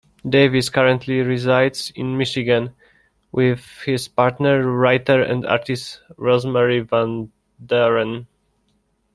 Davis currently resides in Michigan, with his partner, writer and artist Rosemary Van Deuren.